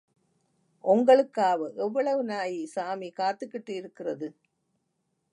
ஒங்களுக்காவ எவ்வளவு நாயி சாமி காத்துக்கிட்டு இருக்கிறது?